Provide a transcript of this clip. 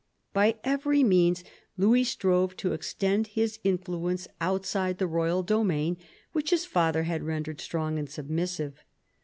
By every means Louis strove to extend his influence outside the royal domain, which his father had rendered strong and submissive.